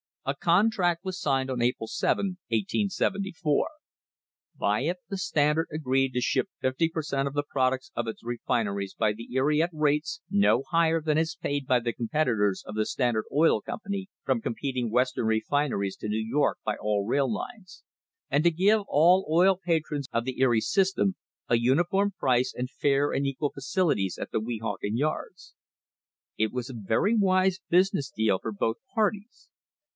A contract was signed on April 17, 1874. By it the Standard agreed to ship fifty per cent, of the products of its refineries by the Erie at rates "no higher than is paid by the competitors of the Standard Oil Company from competing Western refin eries to New York by all rail lines," and to give all oil patrons of the Erie system a uniform price and fair and equal facili ties at the Weehawken yards.* It was a very wise business deal for both parties.